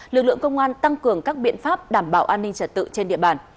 lực lượng công an tăng cường các biện pháp đảm bảo an ninh trật tự trên địa bàn